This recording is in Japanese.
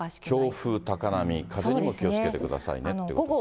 強風、高波、風にも気をつけてくださいねということですね。